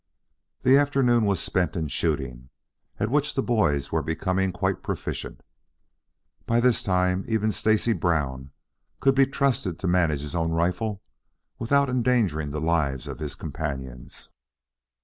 The afternoon was spent in shooting, at which the boys were becoming quite proficient. By this time, even Stacy Brown could be trusted to manage his own rifle without endangering the lives of his companions.